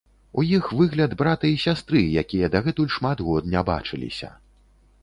У іх выгляд брата і сястры, якія дагэтуль шмат год не бачыліся.